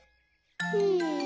うん。